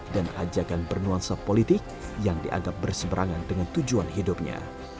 ajakan bernuansa politik yang dianggap berseberangan dengan tujuan hidupnya